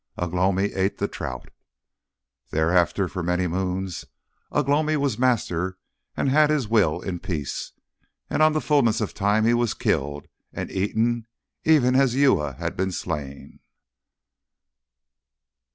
Ugh lomi ate the trout. Thereafter for many moons Ugh lomi was master and had his will in peace. And on the fulness of time he was killed and eaten even as Uya had been slain.